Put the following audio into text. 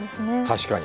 確かに。